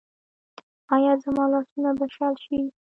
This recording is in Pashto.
ایا زما لاسونه به شل شي؟